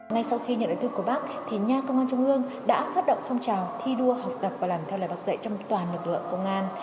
ngay sau khi nhận được thư của bác nha công an trung ương đã phát động phong trào thi đua học tập và làm theo lời bác dạy trong toàn lực lượng công an